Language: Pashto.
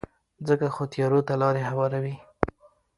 ځکه خو تیارو ته لارې هواروي.